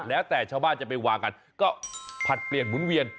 แล้วแต่ชาวบ้านจะไปวางกันก็ผลัดเปลี่ยนหมุนเวียน